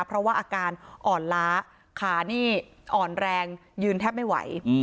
เพราะว่าอาการอ่อนล้าขานี่อ่อนแรงยืนแทบไม่ไหว